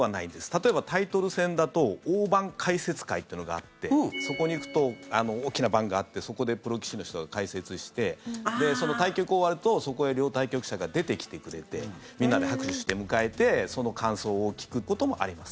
例えば、タイトル戦だと大盤解説会っていうのがあってそこに行くと大きな盤があってそこでプロ棋士の人が解説して対局が終わるとそこへ両対局者が出てきてくれてみんなで拍手して迎えてその感想を聞くこともあります。